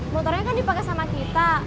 motornya kan dipakai sama kita